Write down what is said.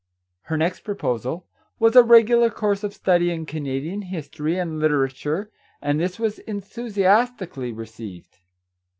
Her next proposal was a regular course of study in Canadian history and literature, and this was enthusiastically received.